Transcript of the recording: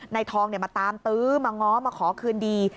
นายทองมาตามตื้อมาง้อมาขอคืนดี